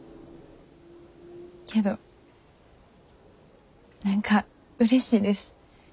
けど何かうれしいです。